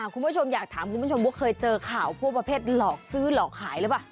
คุณผู้ชมอยากถามคุณผู้ชมว่าเคยเจอข่าวพวกประเภทหลอกซื้อหลอกขายหรือเปล่า